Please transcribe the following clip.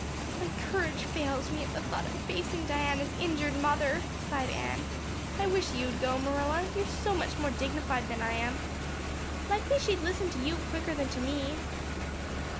"My courage fails me at the thought of facing Diana's injured mother," sighed Anne. "I wish you'd go, Marilla. You're so much more dignified than I am. Likely she'd listen to you quicker than to me."